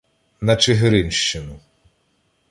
На Чигиринщину